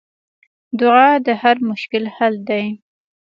دعا د هر مشکل حل دی.